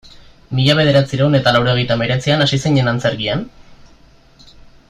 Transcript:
Mila bederatziehun eta laurogeita hemeretzian hasi zinen antzerkian?